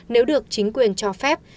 nếu được chính quyền cho phép